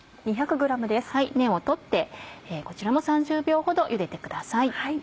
根を取ってこちらも３０秒ほどゆでてください。